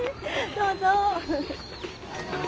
どうぞ。